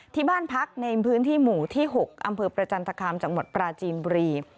ที่บ้านพักในพื้นที่หมู่ที่๖อำเภอประจันทคามจังหวัดปราจีนบุรี